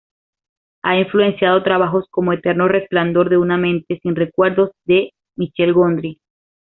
Ha influenciado trabajos como Eterno Resplandor de una Mente sin Recuerdos, de Michel Gondry.